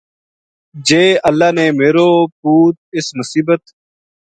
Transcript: جے اللہ نے میرو پُوت اس مصیبت